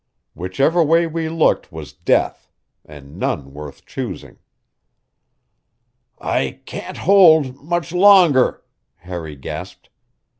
Whichever way we looked was death, and none worth choosing. "I can't hold much longer," Harry gasped.